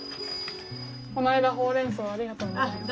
この間ほうれんそうありがとうございました。